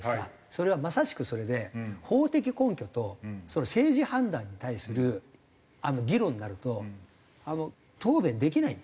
それはまさしくそれで法的根拠と政治判断に対する議論になると答弁できない。